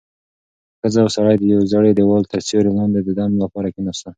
ښځه او سړی د یوې زړې دېوال تر سیوري لاندې د دم لپاره کېناستل.